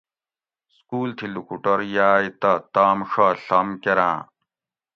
سکول تھی لوکوٹور یاۤئے تہ تام ڛا ڷم کراۤں